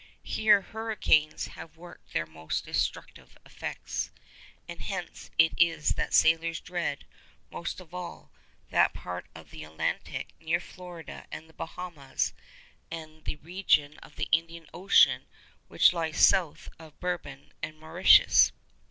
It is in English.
Here hurricanes have worked their most destructive effects. And hence it is that sailors dread, most of all, that part of the Atlantic near Florida and the Bahamas, and the region of the Indian Ocean which lies south of Bourbon and Mauritius.